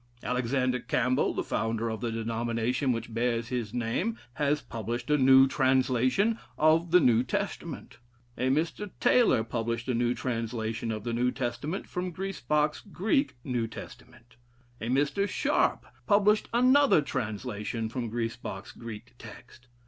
Alexander Campbell, the founder of the denomination which bears his name, has published a new translation of the New Testament. A Mr. Taylor published a new translation of the New Testament from Griesbach's Greek New Testament. A Mr. Sharp published another translation from Griesbach's Greek text.